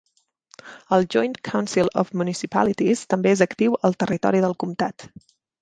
El "Joint Council of Municipalities" també és actiu al territori del comtat.